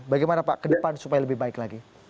bagaimana pak ke depan supaya lebih baik lagi